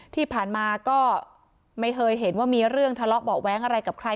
ที่ผ่านมาก็ไม่เคยเห็นว่ามีเรื่องทะเลาะเบาะแว้งอะไรกับใคร